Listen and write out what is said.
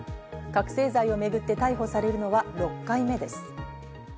覚醒剤をめぐって逮捕されるのは６回目です。